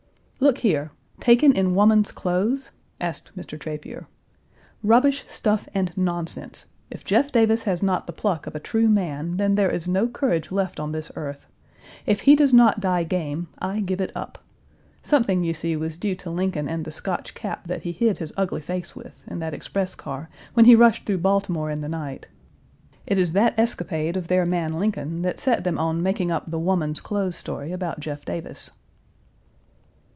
"Look here: taken in woman's clothes?" asked Mr. Trapier. "Rubbish, stuff, and nonsense. If Jeff Davis has not the pluck of a true man, then there is no courage left on this earth. If he does not die game, I give it up. Something, you see, was due to Lincoln and the Scotch cap that he hid his ugly face with, in that express car, when he rushed through Baltimore in the night. It is that escapade of their man Lincoln that set them on making up the woman's clothes story about Jeff Davis."